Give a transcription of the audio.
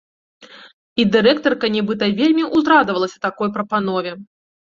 І дырэктарка нібыта вельмі ўзрадавалася такой прапанове.